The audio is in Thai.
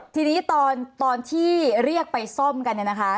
ทีนี้ตอนที่เรียกไปซ่อมกันเนี่ยนะคะ